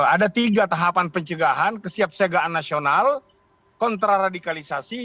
ada tiga tahapan pencegahan kesiapsiagaan nasional kontraradikalisasi